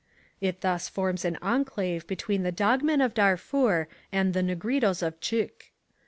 It thus forms an enclave between the Dog Men of Darfur and the Negritos of T'chk.